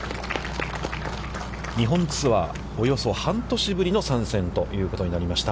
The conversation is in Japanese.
日本ツアー、およそ半年ぶりの参戦ということになりました。